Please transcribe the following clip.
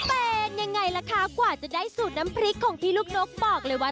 เป็นยังไงล่ะคะกว่าจะได้สูตรน้ำพริกของพี่ลูกนกบอกเลยว่า